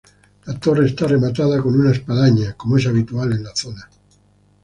La torre está rematada por una espadaña, como es habitual en la zona.